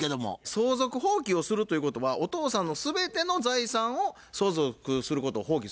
相続放棄をするということはお父さんの全ての財産を相続することを放棄するわけですよね。